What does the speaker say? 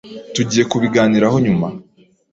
Tugiye kubiganiraho nyuma.